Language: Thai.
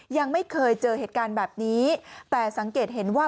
ยังไม่เคยเจอเหตุการณ์แบบนี้แต่สังเกตเห็นว่า